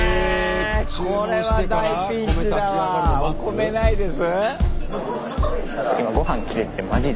米ないです？